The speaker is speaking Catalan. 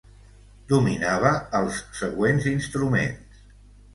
Dominava els següents instruments: